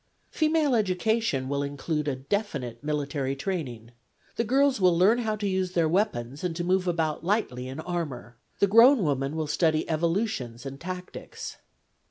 Female education will include a definite military training : the girls will learn how to use their weapons and to move about lightly in armour ; the grown woman will study evolutions and tactics.